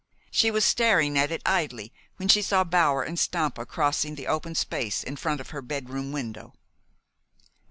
She was staring at it idly, when she saw Bower and Stampa crossing the open space in front of her bed room window.